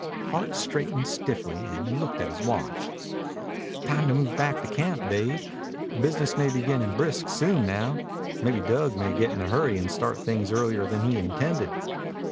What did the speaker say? Hart straightened stiffly and looked at his watch. "Time to move back to camp, Dave. Business may get brisk soon now. Maybe Dug may get in a hurry and start things earlier than he intended."